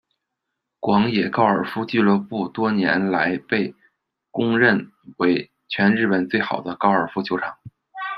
广野高尔夫俱乐部多年来都被公认为全日本最好的高尔夫球场。